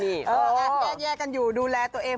แยกกันอยู่ดูแลตัวเอง